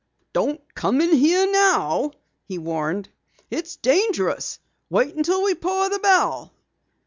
"Don't come in here now!" he warned. "It's dangerous. Wait until we pour the bell."